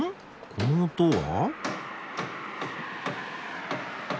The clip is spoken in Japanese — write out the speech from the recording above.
この音は？